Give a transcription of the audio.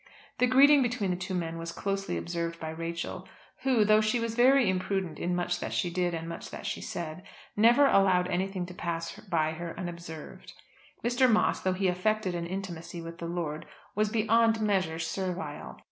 The greeting between the two men was closely observed by Rachel, who, though she was very imprudent in much that she did and much that she said, never allowed anything to pass by her unobserved. Mr. Moss, though he affected an intimacy with the lord, was beyond measure servile.